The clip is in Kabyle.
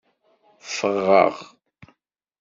Ffɣeɣ.